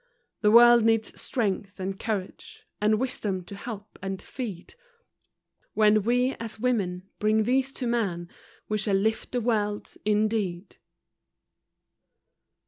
The world needs strength and courage, And wisdom to help and feed When, "We, as women" bring these to man, We shall lift the world indeed.